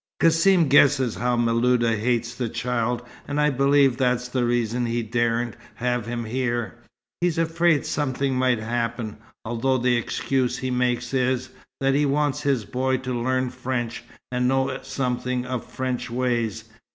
Cassim guesses how Miluda hates the child, and I believe that's the reason he daren't have him here. He's afraid something might happen, although the excuse he makes is, that he wants his boy to learn French, and know something of French ways.